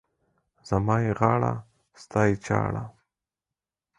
زما يې غاړه، ستا يې چاړه.